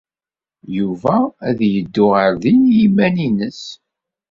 Yuba ad yeddu ɣer din i yiman-nnes.